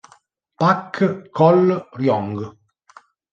Pak Chol-ryong